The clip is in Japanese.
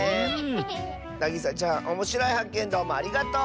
なぎさちゃんおもしろいはっけんどうもありがとう！